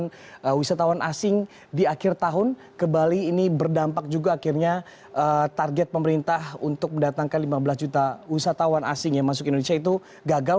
wisatawan asing di akhir tahun ke bali ini berdampak juga akhirnya target pemerintah untuk mendatangkan lima belas juta wisatawan asing yang masuk ke indonesia itu gagal